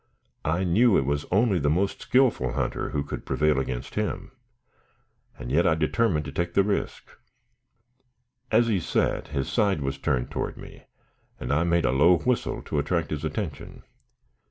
I knew it was only the most skillful hunter who could prevail against him, and yet I determined to take the risk. As he sat, his side was turned toward me, and I made a low whistle to attract his attention.